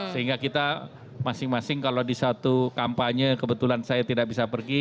sehingga kita masing masing kalau di satu kampanye kebetulan saya tidak bisa pergi